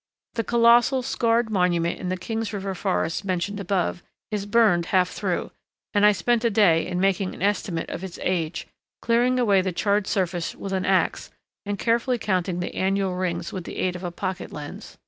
The colossal scarred monument in the King's River forest mentioned above is burned half through, and I spent a day in making an estimate of its age, clearing away the charred surface with an ax and carefully counting the annual rings with the aid of a pocket lens.